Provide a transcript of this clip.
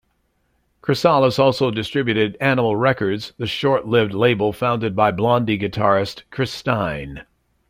Chrysalis also distributed Animal Records, the short-lived label founded by Blondie guitarist Chris Stein.